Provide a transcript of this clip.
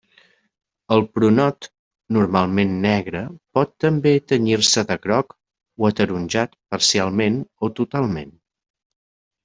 El pronot normalment negre pot també tenyir-se de groc o ataronjat parcialment o totalment.